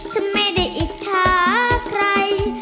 ฉันไม่ได้อิจฉาใคร